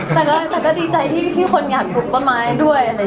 แต่ก็ดีใจที่คนอยากปลูกต้นไม้ด้วย